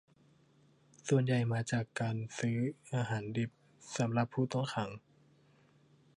ส่วนใหญ่มาจากการจัดซื้ออาหารดิบสำหรับผู้ต้องขัง